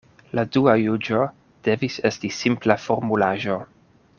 La dua juĝo devis esti simpla formulaĵo.